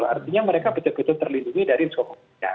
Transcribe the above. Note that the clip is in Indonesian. artinya mereka betul betul terlindungi dari psikologinya